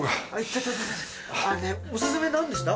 おすすめなんでした？